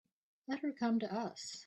Let her come to us.